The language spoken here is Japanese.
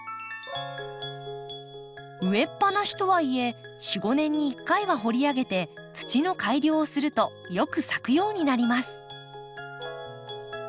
植えっぱなしとはいえ４５年に１回は掘り上げて土の改良をするとよく咲くようになります。